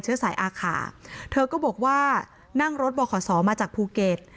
เชื้อสายอาขาเธอก็บอกว่านั่งรถบขสอมาจากภูเก็ต